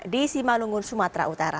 di simalungun sumatera utara